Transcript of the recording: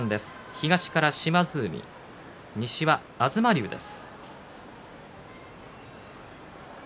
東から島津海、西は東龍です。